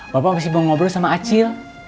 bapak masih mau ngobrol sama acil